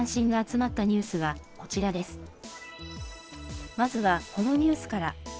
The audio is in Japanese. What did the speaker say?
まずは、このニュースから。